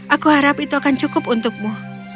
aku harap itu akan cukup untukmu